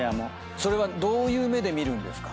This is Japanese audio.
それはどういう目で見るんですか？